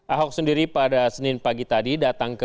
ahok sendiri pada senin pagi tadi datang ke